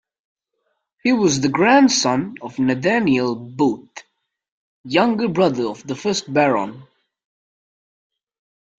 He was the grandson of Nathaniel Booth, younger brother of the first Baron.